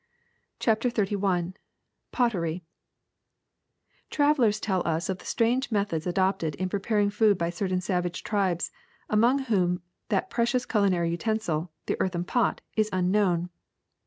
'' CHAPTER XXXI POTTERY «*fTlRAVELLERS tell us of the strange methods M. adopted in preparing food by certain savage tribes among whom that precious culinar}^ utensil, the earthen pot, is unknown.